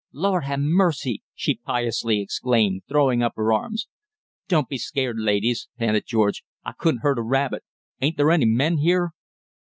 "Lord ha' mercy!" she piously exclaimed, throwing up her arms. "Don't be scared, ladies," panted George; "I couldn't hurt a rabbit. Ain't there any men here?"